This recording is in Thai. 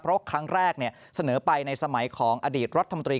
เพราะครั้งแรกเสนอไปในสมัยของอดีตรัฐมนตรี